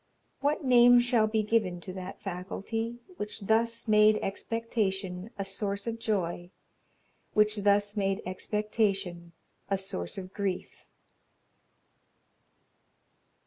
What name shall be given To that faculty, Which thus made expectation A source of joy, Which thus made expectation A source of grief?'"